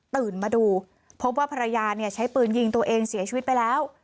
มาดูพบว่าภรรยาใช้ปืนยิงตัวเองเสียชีวิตไปแล้ว